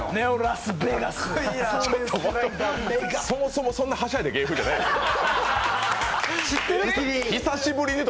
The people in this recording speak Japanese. そもそもそんなはしゃいだ芸風じゃないので。